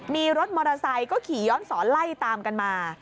มีรถมอเตอร์ไซค์ก็ขี่ย้อนสอนไล่ตามกันมา